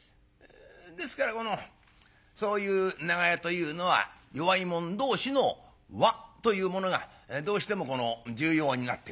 ですからこのそういう長屋というのは弱い者同士の輪というものがどうしても重要になってくる。